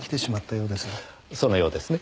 そのようですね。